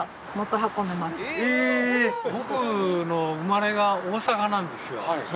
僕の生まれが大阪なんですよ